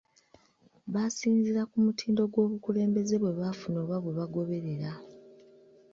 Basinziira ku mutindo gw’obukulembeze bwe bafuna oba bwe bagoberera.